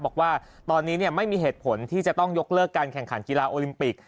บอกว่าตอนนี้ไม่มีเหตุผลที่จะต้องยกเลิกการแข่งขันกีฬาโอลิมปิก